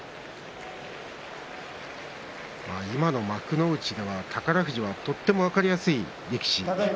今の幕内では宝富士はとっても分かりやすい力士。